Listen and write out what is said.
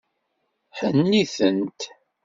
Hennit-tent.